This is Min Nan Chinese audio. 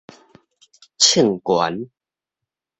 衝懸